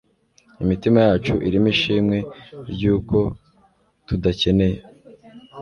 imitima yacu irimo ishimwe ryuko tudakeneye